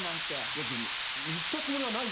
いやでも言ったつもりはない。